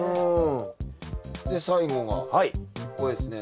で最後がこれですね。